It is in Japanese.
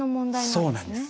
そうなんです。